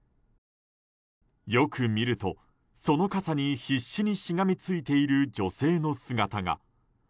よく見ると、その傘に必死にしがみついている女性の姿が。